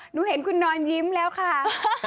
หนูเห็นคุณนอนยิ้มแล้วค่ะ